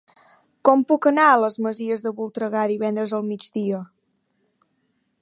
Com puc anar a les Masies de Voltregà divendres al migdia?